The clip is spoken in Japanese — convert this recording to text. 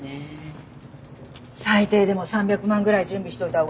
最低でも３００万ぐらい準備しといた方がいいよ。